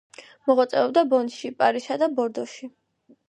მოღვაწეობდა ბონში, პარიზსა და ბორდოში.